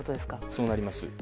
そうなります。